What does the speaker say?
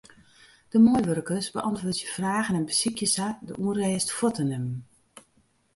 De meiwurkers beäntwurdzje fragen en besykje sa de ûnrêst fuort te nimmen.